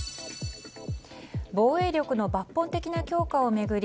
防衛力の抜本的な強化を巡り